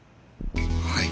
はい。